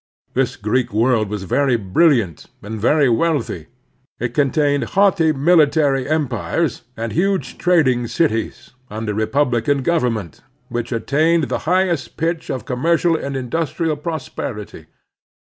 This Greek world was very brilliant and very wealthy. It contained haughty military empires, and huge trading cities, under republican government, which attained the highest pitch of commercial and industrial prosperity.